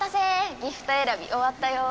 ギフト選び終わったよ！